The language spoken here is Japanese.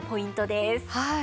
はい。